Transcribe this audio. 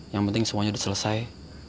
yang penting semuanya sudah selesai